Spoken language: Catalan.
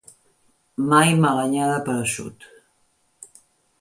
Mai mala anyada per eixut.